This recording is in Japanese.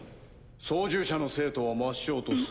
操縦者の生徒は抹消とする。